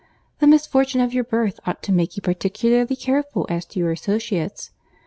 The misfortune of your birth ought to make you particularly careful as to your associates.